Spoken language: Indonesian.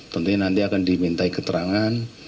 tentunya nanti akan dimintai keterangan